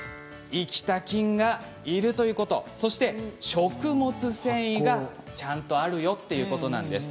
生きた菌がいるということそして、食物繊維がちゃんとあるよということなんです。